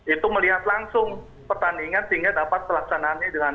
itu melihat langsung pertandingan sehingga dapat pelaksanaannya dengan